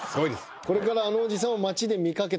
これからあのおじさんを。